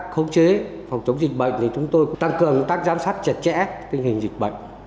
không chế phòng chống dịch bệnh thì chúng tôi cũng tăng cường công tác giám sát chặt chẽ tình hình dịch bệnh